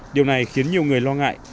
điều này khiến nhiều người lo ngại